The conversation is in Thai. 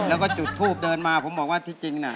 แล้วก็จุดทูปเดินมาผมบอกว่าที่จริงน่ะ